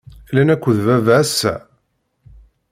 Llan akked baba ass-a?